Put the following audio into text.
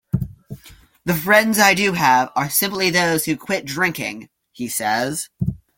'The friends I do have are simply those who quit drinking,' he says.